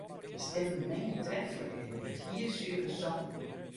De stimmen minge treflik en der wurdt hiersuver songen.